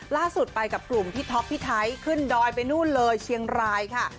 ล่าสุดไปกับกลุ่มพี่ท็อปพี่ไทยขึ้นดอยไปนู่นเลยเชียงรายค่ะ